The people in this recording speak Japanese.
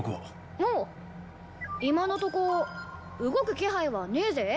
おお今のとこ動く気配はねえぜ。